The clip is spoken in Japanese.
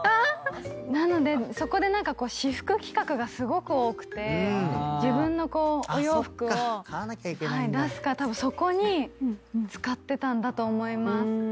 なのでそこで私服企画がすごく多くて自分のお洋服を出すからそこに使ってたんだと思います。